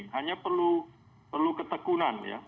tapi sebenarnya perlu ketekunan ya